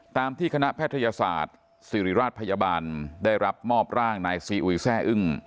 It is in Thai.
ตามที่คณะแพทยศาสตร์ศิริราชพยาบาลได้รับมอบร่างนายซีอุยแซ่อึ้ง